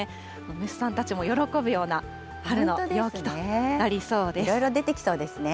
虫さんたちも喜ぶような春の陽気色々出てきそうですね。